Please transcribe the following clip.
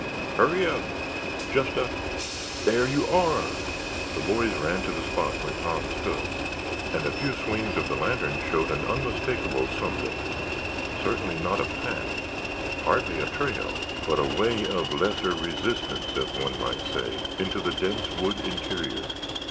Hurry up! Just a—there you are!" The boys ran to the spot where Tom stood and a few swings of the lantern showed an unmistakable something—certainly not a path—hardly a trail—but a way of lesser resistance, as one might say, into the dense wood interior.